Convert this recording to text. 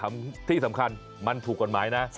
คราสที่สำคัญมันผูกกลมไม้นะ